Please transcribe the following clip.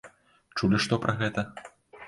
Чулі што пра гэта?